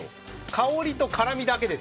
香りと辛味だけです